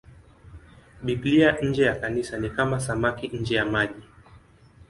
Biblia nje ya Kanisa ni kama samaki nje ya maji.